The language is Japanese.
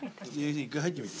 １回入ってみる？